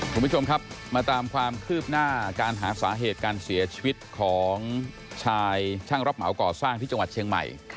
คุณผู้ชมครับมาตามความคืบหน้าการหาสาเหตุการเสียชีวิตของชายช่างรับเหมาก่อสร้างที่จังหวัดเชียงใหม่